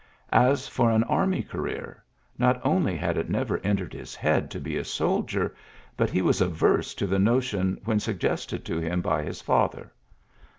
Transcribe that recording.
As for an army career, not only had it never entered his head to be a soldier, but he was averse to the notion when suggested to him by his father.